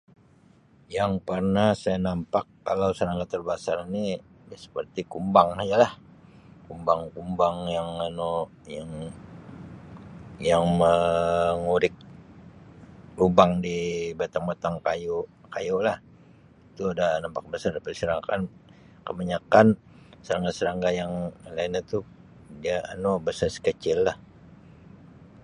Yang parnah saya nampak kalau serangga terbasar ni ia seperti kumbang nya lah kumbang kumbang yang anu yang mengurik lubang di batang-batang kayu kayu lah kalau tu da nampak [unintelligible] kan kebanyakan serangga serangga yang lain atu dia anu bersaiz kecil lah.